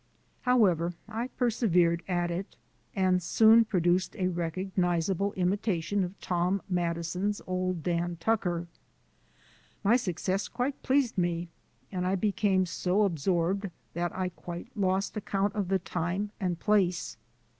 However, I persevered at it, and soon produced a recognizable imitation of Tom Madison's "Old Dan Tucker." My success quite pleased me, and I became so absorbed that I quite lost account of the time and place.